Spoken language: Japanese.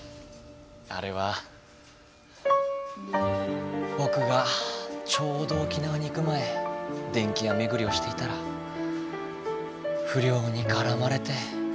あれはぼくがちょうど沖縄に行く前電気やめぐりをしていたらふりょうにからまれて。